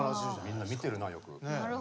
みんな見てるなよく。